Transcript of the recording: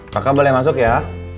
kakak boleh masuk ya